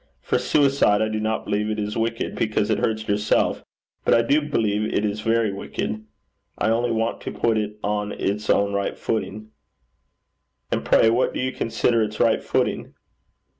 For suicide, I do not believe it is wicked because it hurts yourself, but I do believe it is very wicked. I only want to put it on its own right footing.' 'And pray what do you consider its right footing?'